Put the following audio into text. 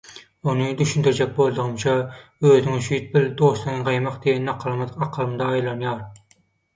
Ony düşündirjek boldugymça «Özüňi süýt bil, dostuňy gaýmak» diýen nakylymyz akylymda aýlanýar.